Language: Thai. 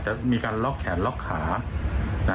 จะมีการล็อกแขนล็อกขา